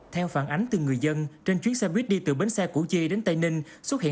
theo phản ánh từ người dân trên chuyến xe buýt đi từ bến xe củ chi đến tây ninh xuất hiện